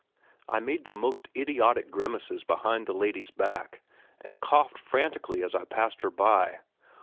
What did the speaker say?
I made the most idiotic grimaces behind the lady's back, and coughed frantically as I passed her by.